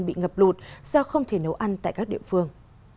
bị ngập lụt do không thể nấu ăn tại các địa phương